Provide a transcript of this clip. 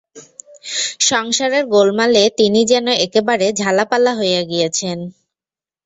সংসারের গোলমালে তিনি যেন একেবারে ঝালাপালা হইয়া গিয়াছেন।